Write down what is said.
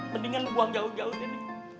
mendingan lo buang jauh jauh ini